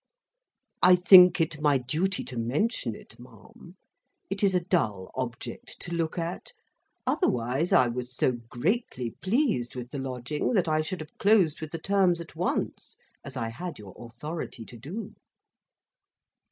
"I think it my duty to mention it, ma'am. It is a dull object to look at. Otherwise, I was so greatly pleased with the lodging that I should have closed with the terms at once, as I had your authority to do."